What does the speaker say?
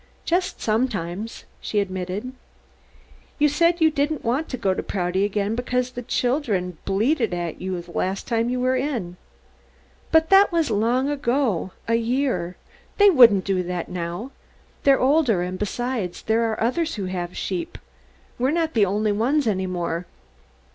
"Just sometimes," she admitted. "You said you didn't want to go to Prouty again because the children bleated at you the last time you were in." "But that was long ago a year they wouldn't do that now they're older, and, besides, there are others who have sheep. We're not the only ones any more.